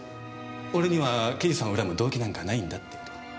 俺には刑事さんを恨む動機なんかないんだって事を。